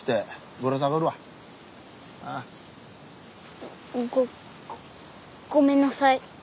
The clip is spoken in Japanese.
ごごごめんなさい。